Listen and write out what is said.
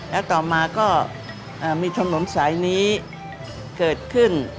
แล้วต่อมาก็มีถนนสายนี้เกิดขึ้น